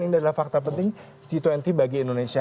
ini adalah fakta penting g dua puluh bagi indonesia